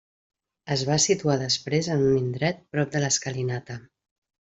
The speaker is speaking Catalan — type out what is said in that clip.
Es va situar després en un indret prop de l’escalinata.